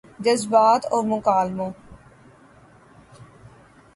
جذبات اور مکالموں